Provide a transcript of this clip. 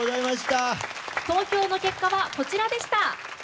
投票の結果はこちらでした。